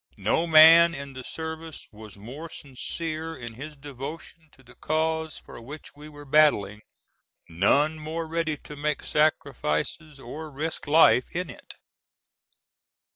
"No man in the service was more sincere in his devotion to the cause for which we were battling, none more ready to make sacrifices or risk life in it."